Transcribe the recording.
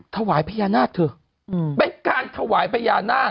ถวายพญานาคเถอะเป็นการถวายพญานาค